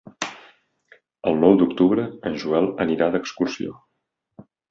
El nou d'octubre en Joel anirà d'excursió.